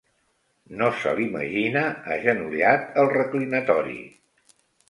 No se l'imagina agenollat al reclinatori.